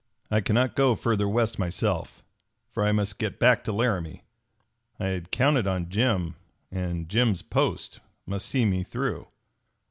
"I cannot go further west myself, for I must get back to Laramie. I had counted on Jim, and Jim's post must see me through.